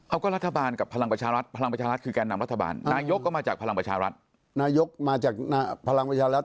เอาก็รัฐบาลกับพลังประชารัฐพลังประชารัฐคือการนำรัฐบาลนายกก็มาจากพลังประชารัฐ